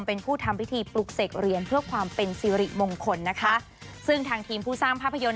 เป็นผู้ทำพิธีปลุกเสกเรียนเพื่อความเป็นสิริมงคลนะคะซึ่งทางทีมผู้สร้างภาพยนตร์